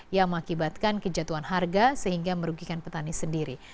yang mengakibatkan kejatuhan harga sehingga merugikan petani sendiri